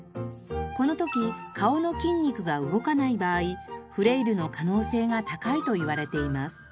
この時顔の筋肉が動かない場合フレイルの可能性が高いといわれています。